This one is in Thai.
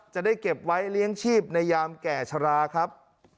จะได้เก็บไว้เลี้ยงชีพในยามแก่ชราครับ